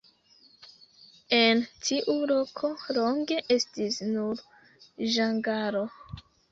En tiu loko longe estis nur ĝangalo.